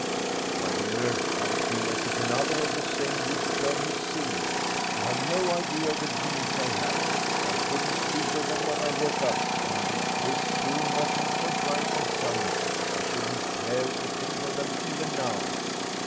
'My dear, I feel as if another of the same would turn me silly. You have no idea of the dreams I had. I couldn't speak of them when I woke up, and if this room wasn't so bright and sunny I shouldn't care to think of them even now.'